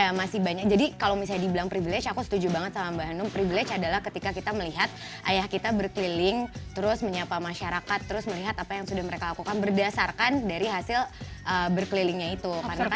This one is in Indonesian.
ya masih banyak jadi kalau misalnya dibilang privilege aku setuju banget sama mbak hanum privilege adalah ketika kita melihat ayah kita berkeliling terus menyapa masyarakat terus melihat apa yang sudah mereka lakukan berdasarkan dari hasil berkelilingnya itu